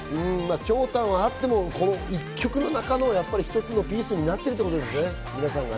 長短はあっても１曲の中の一つのピースになっているということですね。